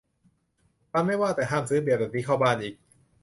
มันไม่ว่า แต่ห้ามซื้อเบียร์แบบนี้เข้าบ้านอีก